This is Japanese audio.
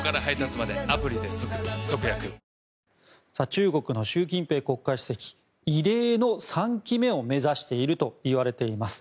中国の習近平国家主席異例の３期目を目指しているといわれています。